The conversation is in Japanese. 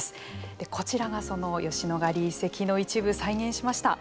こちらがその吉野ヶ里遺跡の一部再現しました。